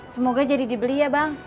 semoga jadi dibeli ya bang